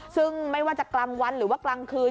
ซึ่งไม่ว่าจะกลางวันหรือว่ากลางคืน